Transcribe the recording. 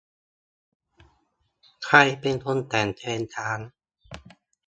ใครเป็นแต่งเพลงช้าง